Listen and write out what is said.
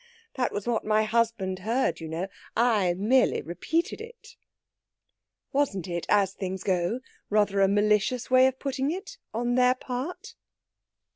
That was what my husband heard, you know. I merely repeated it." "Wasn't it, as things go, rather a malicious way of putting it on their part?"